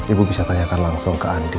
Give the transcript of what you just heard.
ibu bisa tanyakan langsung ke anda